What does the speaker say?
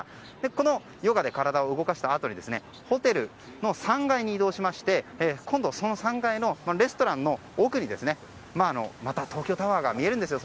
このヨガで体を動かしたあとにホテルの３階に移動して今度はその３階のレストランの奥にまた東京タワーが見えるんですよ